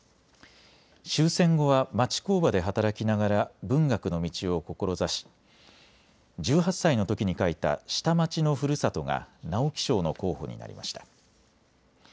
終戦後は町工場で働きながら文学の道を志し１８歳のときに書いた下町の故郷が直木賞の候補になりました。